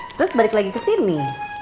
terus balik lagi kesini